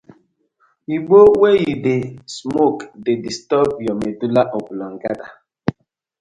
Igbo wey yu dey smoke dey disturb yah medulla oblongata.